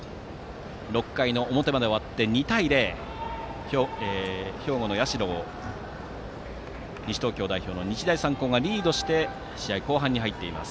６回の表まで終わって２対０と兵庫の社を西東京代表の日大三高がリードして試合後半に入っています。